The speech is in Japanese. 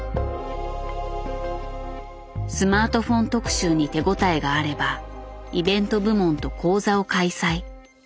スマートフォン特集に手応えがあればイベント部門と講座を開催。